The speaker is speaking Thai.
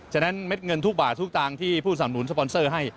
ฉะนั้นเม็ดเงินทุกบาททุกตางค์ที่ผู้สำนุนสปอนเซอร์ให้